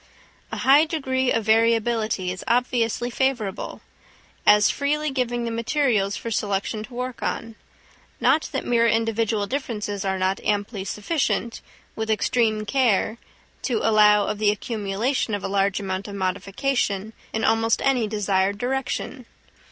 A high degree of variability is obviously favourable, as freely giving the materials for selection to work on; not that mere individual differences are not amply sufficient, with extreme care, to allow of the accumulation of a large amount of modification in almost any desired direction.